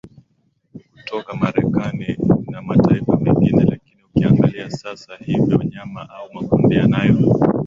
kutoka marekani na mataifa mengine lakini ukiangalia sasa hivyo vyama au makundi yanayo